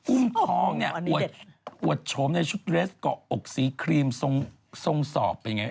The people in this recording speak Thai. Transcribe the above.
อุ้มทองเนี่ยอวดชมในชุดเดรสก็อกสีครีมทรงสอบเป็นไง